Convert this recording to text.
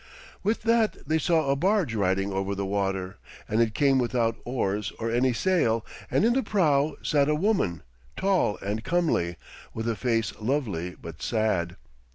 With that they saw a barge riding over the water, and it came without oars or any sail, and in the prow sat a woman, tall and comely, with a face lovely but sad.